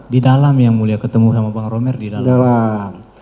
di dalam yang mulia ketemu sama bang romer di dalam